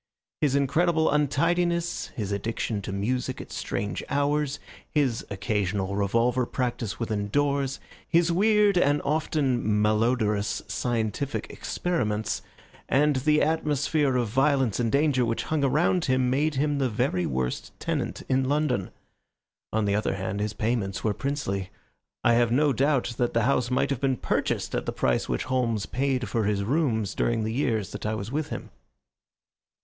His incredible untidiness, his addiction to music at strange hours, his occasional revolver practice within doors, his weird and often malodorous scientific experiments, and the atmosphere of violence and danger which hung around him made him the very worst tenant in London. On the other hand, his payments were princely. I have no doubt that the house might have been purchased at the price which Holmes paid for his rooms during the years that I was with him.